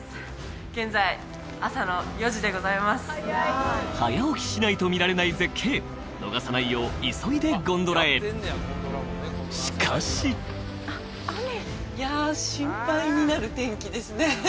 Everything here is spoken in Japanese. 現在早起きしないと見られない絶景逃さないよう急いでゴンドラへしかしいや心配になる天気ですね